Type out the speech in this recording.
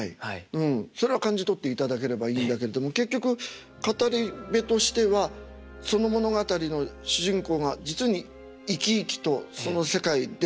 それは感じ取っていただければいいんだけれども結局語り部としてはその物語の主人公が実に生き生きとその世界でちゃんと全うに物語の中で生きていると。